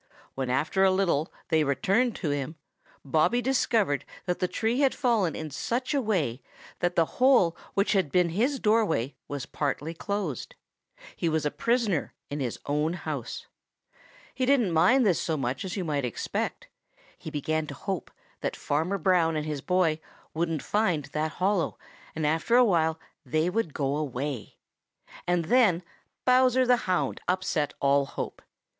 When after a little they returned to him, Bobby discovered that the tree had fallen in such a way that the hole which had been his doorway was partly closed. He was a prisoner in his own house. He didn't mind this so much as you might expect. He began to hope ever so little. He began to hope that Farmer Brown and his boy wouldn't find that hollow and after awhile they would go away. And then Bowser the Hound upset all hope.